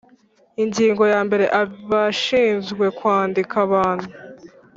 Ingingo ya mbere Abashinzwe kwandika abantu